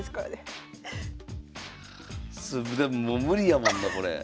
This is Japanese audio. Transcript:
でももう無理やもんなこれ。